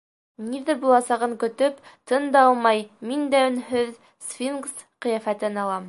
Ниҙер буласағын көтөп, тын да алмай, мин дә өнһөҙ сфинкс ҡиәфәтен алам.